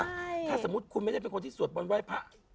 ถ้าสมมุติคุณไม่ได้เป็นคนที่สวดบนไหว้พระ